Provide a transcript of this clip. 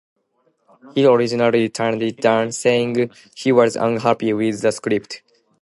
He originally turned it down, saying he was unhappy with the script.